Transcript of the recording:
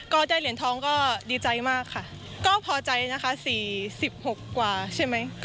ก็ได้เหรียญทองก็ดีใจมากค่ะก็พอใจนะคะ๔๖กว่าใช่ไหม